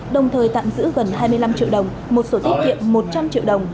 đồng thời tạm giữ gần hai mươi năm triệu đồng một số thiết kiệm một trăm linh triệu đồng